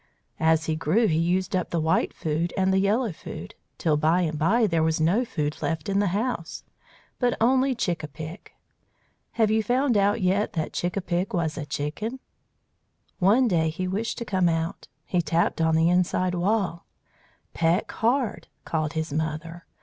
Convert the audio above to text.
As he grew he used up the white food and the yellow food, till by and by there was no food left in the house, but only Chick a pick. Have you found out yet that Chick a pick was a chicken? One day he wished to come out. He tapped on the inside wall. "Peck hard," called his mother.